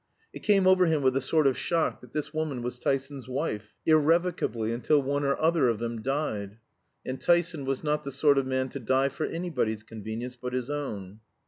It came over him with a sort of shock that this woman was Tyson's wife, irrevocably, until one or other of them died. And Tyson was not the sort of man to die for anybody's convenience but his own.